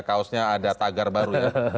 kaosnya ada tagar baru ya